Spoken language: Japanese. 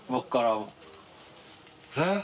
えっ？